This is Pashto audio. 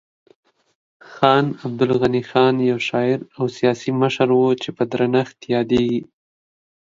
خان عبدالغني خان یو شاعر او سیاسي مشر و چې په درنښت یادیږي.